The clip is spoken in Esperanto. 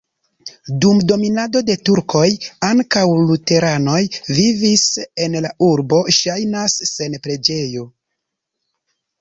Dum dominado de turkoj ankaŭ luteranoj vivis en la urbo, ŝajnas, sen preĝejo.